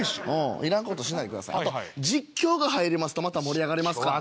あと実況が入りますとまた盛り上がりますから。